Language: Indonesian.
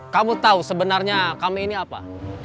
kamu tahu sebenarnya kami ini apa